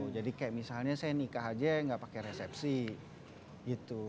jadi kayak misalnya saya nikah aja gak pakai resepsi gitu